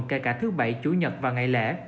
kể cả thứ bảy chủ nhật và ngày lễ